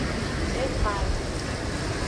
E fan avi.